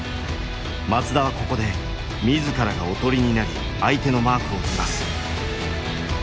松田はここで自らがおとりになり相手のマークをずらす。